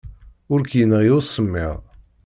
Ur k-yenɣi usemmiḍ.